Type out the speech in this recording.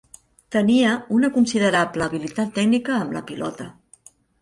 Tenia una considerable habilitat tècnica amb la pilota.